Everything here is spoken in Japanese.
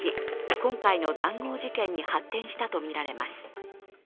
今回の談合事件に発展したとみられます。